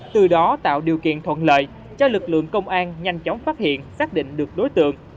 từ đó tạo điều kiện thuận lợi cho lực lượng công an nhanh chóng phát hiện xác định được đối tượng